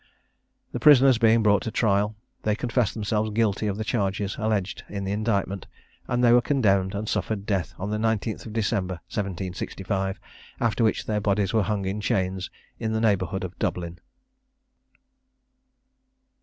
The prisoners being brought to trial, they confessed themselves guilty of the charges alleged in the indictment; and they were condemned, and suffered death on the 19th of December, 1765, after which their bodies were hung in chains in the neighbourhood of Dublin.